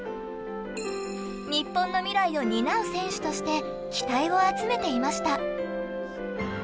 日本の未来を担う選手として期待を集めていました。